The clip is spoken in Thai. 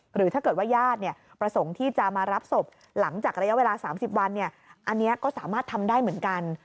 หรือถ้าเกิดว่าญาติประสงค์ที่จะมารับศพหลังจากระยะเวลา๓๐วันอันนี้ก็สามารถทำได้เหมือนกัน